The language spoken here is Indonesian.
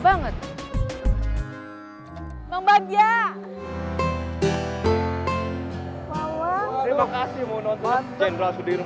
lagi ada anak anak kita kesana yuk malesah terus pasti disana juga penuh